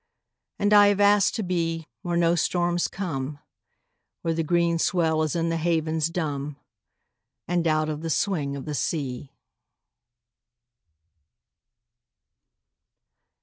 And I have asked to be Where no storms come, Where the green swell is in the havens dumb, And out of the swing of the sea.